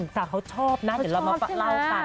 สาวเขาชอบนะเดี๋ยวเรามาเล่ากัน